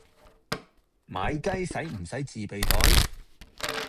買雞洗唔洗自備袋？